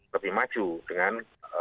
lebih maju dengan